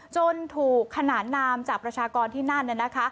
จนถูกขนานนามจากประชากรที่นั่น